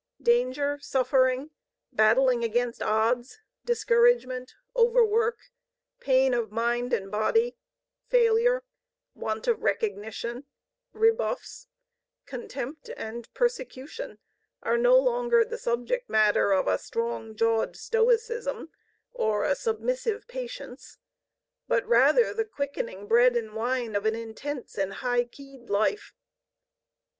Danger, suffering, battling against odds, discouragement, overwork, pain of mind and body, failure, want of recognition, rebuffs, contempt and persecution, are no longer the subject matter of a strong jawed stoicism or a submissive patience but rather the quickening bread and wine of an intense and high keyed life.